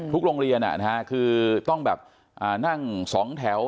ทุกโรงเรียนคือต้องแบบนั่ง๒แถว